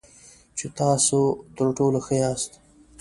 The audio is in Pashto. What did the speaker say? چې تاسو تر ټولو ښه یاست .